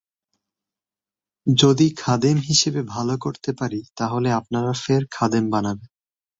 যদি খাদেম হিসেবে ভালো করতে পারি তাহলে আপনারা ফের খাদেম বানাবেন।